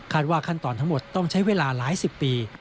ว่าขั้นตอนทั้งหมดต้องใช้เวลาหลายสิบปี